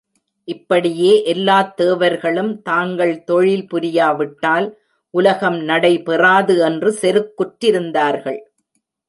இப்படியே எல்லாத் தேவர்களும், தாங்கள் தொழில் புரியாவிட்டால் உலகம் நடைபெறாது என்று செருக்குற்றிருந்தார்கள்.